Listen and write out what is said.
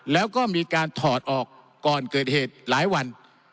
แล้วก็มีการถอดออกก่อนเกิดเหตุหลายวัน